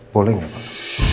boleh gak pak